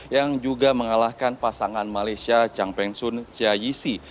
yang juga mengalahkan pasangan malaysia chang peng sun xiayisi